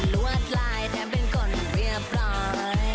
ลวดลายแถมเป็นคนเรียบร้อย